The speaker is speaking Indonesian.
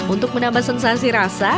untuk menambah sensasi rasa